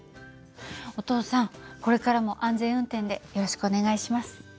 お父さんこれからも安全運転でよろしくお願いします。